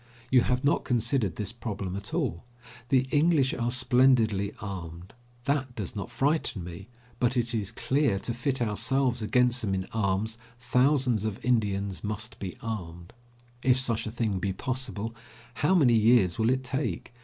You have not considered this problem at all. The English are splendidly armed; that does not frighten me, but it is clear that, to fit ourselves against them in arms, thousands of Indians must be armed. If such a thing be possible, how many years will it take.